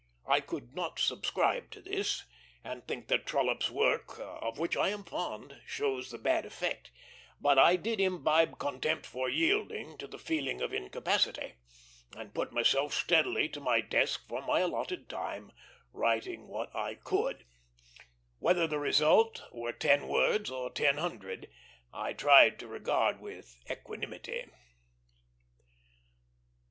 I could not subscribe to this, and think that Trollope's work, of which I am fond, shows the bad effect; but I did imbibe contempt for yielding to the feeling of incapacity, and put myself steadily to my desk for my allotted time, writing what I could. Whether the result were ten words or ten hundred I tried to regard With equanimity.